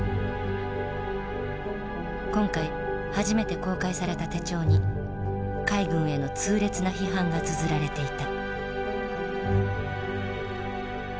今回初めて公開された手帳に海軍への痛烈な批判がつづられていた。